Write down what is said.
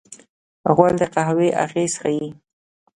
غول د قهوې اغېز ښيي.